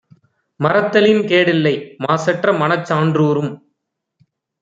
மறத்தலின் கேடில்லை; மாசற்றமனச் சான்றூறும்